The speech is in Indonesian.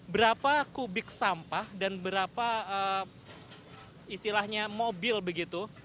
berapa kubik sampah dan berapa istilahnya mobil begitu